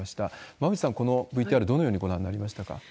馬渕さん、このＶＴＲ、どのようにご覧になりましたか？